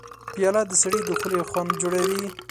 پیاله د سړي د خولې خوند جوړوي.